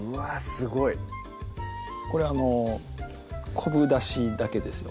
すごいこれ昆布だしだけですよ